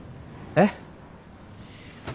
えっ？